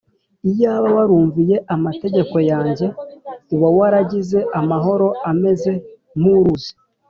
Iyaba warumviye amategeko yanjye uba waragize amahoro ameze nkuruzi,